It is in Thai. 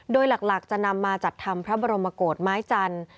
โดยหลักจะนำมาจัดทำพระบรมโกรธไม้จันทร์